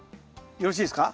よろしいですか？